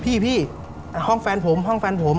พี่ห้องแฟนผมห้องแฟนผม